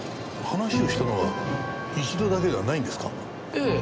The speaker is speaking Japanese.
ええ。